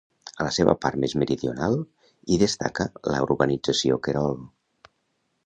A la seva part més meridional, hi destaca la urbanització Querol.